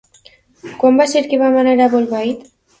Quan va ser que vam anar a Bolbait?